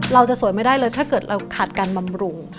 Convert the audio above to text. เราจะสวยไม่ได้เลยถ้าเกิดเราขาดการบำรุง